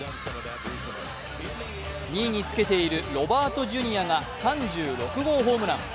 ２位につけているロバート・ジュニアが３６号ホームラン。